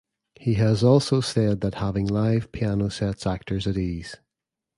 He has also said that having live piano sets actors at ease.